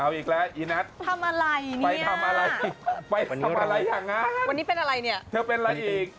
เอาอีกแล้วอีนัททำอะไรเนี่ยไปทำอะไรอย่างนั้นวันนี้เป็นอะไรเนี่ยเธอเป็นอะไรอีก